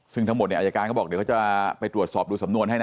ซึ่งทั้งหมดเนี่ยอายการเขาบอกเดี๋ยวเขาจะไปตรวจสอบดูสำนวนให้นะ